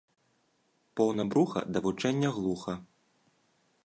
Поўна бруха да вучэння глуха